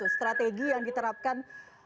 strategi yang diterapkan